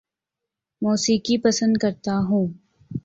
موسیقی پسند کرتا ہوں